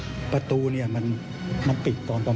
มีความรู้สึกว่ามีความรู้สึกว่ามีความรู้สึกว่า